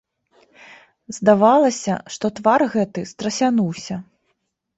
Здавалася, што твар гэты страсянуўся.